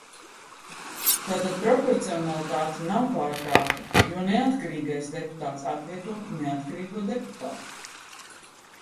Tātad proporcionalitāte nav pārkāpta, jo neatkarīgais deputāts atvieto neatkarīgo deputātu.